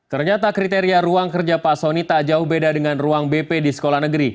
ternyata kriteria ruang kerja pak soni tak jauh beda dengan ruang bp di sekolah negeri